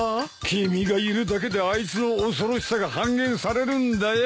君がいるだけであいつの恐ろしさが半減されるんだよ。